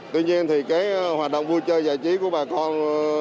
tuy nhiên thì cái hoạt động vui chơi giải trí của bà con